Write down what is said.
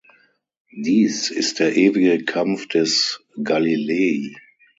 Dies ist der ewige Kampf des Galilei.